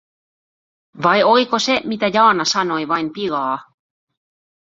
Vai oliko se mitä Jaana sanoi vain pilaa?